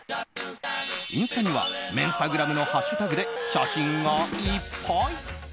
インスタには麺スタグラムのハッシュタグで写真がいっぱい。